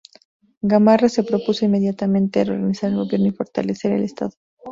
Gamarra se propuso inmediatamente reorganizar el gobierno y fortalecer al estado.